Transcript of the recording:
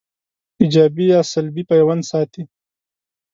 ایجابي یا سلبي پیوند ساتي